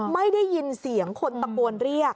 ไม่ได้ยินเสียงคนตะโกนเรียก